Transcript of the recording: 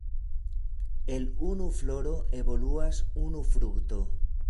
El unu floro evoluas unu frukto.